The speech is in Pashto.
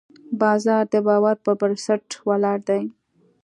بازار د باور پر بنسټ ولاړ دی.